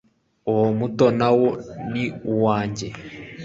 uwo muto nawo ni uwanjye